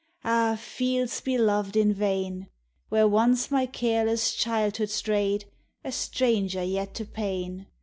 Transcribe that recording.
Ah, fields beloved in vain!— Where once my careless childhood strayed, A stranger yet to pain